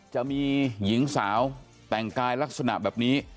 จะมีหญิงสาวแต่งกายลักษณะแบบนี้